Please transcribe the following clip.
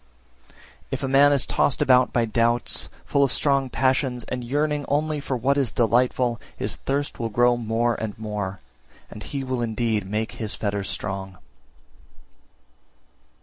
349. If a man is tossed about by doubts, full of strong passions, and yearning only for what is delightful, his thirst will grow more and more, and he will indeed make his fetters strong.